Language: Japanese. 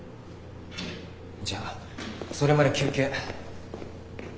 じゃあそれまで休憩。